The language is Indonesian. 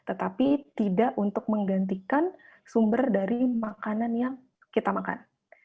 tetapi tidak untuk menggantikan sumber dari makanan yang kita makan